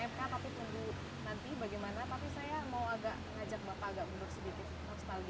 tapi saya mau agak mengajak bapak agak mendukung sedikit nostalgia sedikit pak di tanggal tujuh belas sampai delapan belas april